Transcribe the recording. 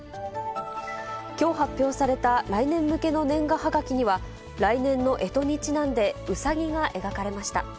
きょう発表された来年向けの年賀はがきには、来年のえとにちなんでうさぎが描かれました。